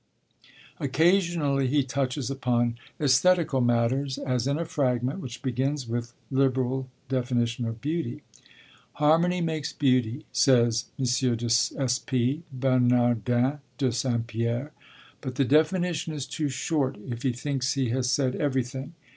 Occasionally he touches upon æsthetical matters, as in a fragment which begins with liberal definition of beauty: Harmony makes beauty, says M. de S. P. (Bernardin de St. Pierre), but the definition is too short, if he thinks he has said everything.